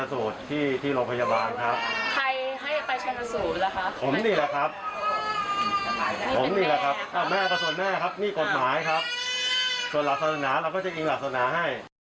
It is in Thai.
ส่วนหลักศาสนาเราก็จะยิงศาสนาให้